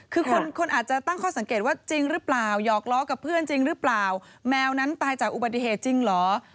คือคนอาจจะตั้งข้อสังเกตว่าจริงหรือเปล่าหยอกล้อกับเพื่อนจริงหรือเปล่าแมวนั้นตายจากอุบัติเหตุจริงเหรอ